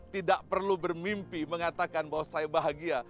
tidak perlu bermimpi mengatakan bahwa saya bahagia